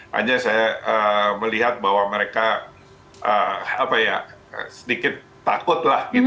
hanya saya melihat bahwa mereka sedikit takut